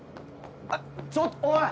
あっちょっとおい！